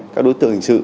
các đối tượng hình sự